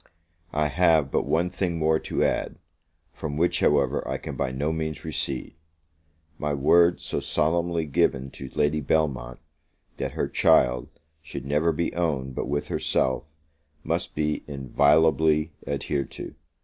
I have but one thing more to add, from which, however, I can by no means recede: my word so solemnly given to Lady Belmont, that her child should never be owned but with her self, must be inviolably adhered to.